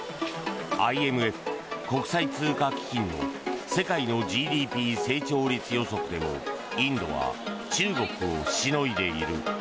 ＩＭＦ・国際通貨基金の世界のＧＤＰ成長率予測でもインドは中国をしのいでいる。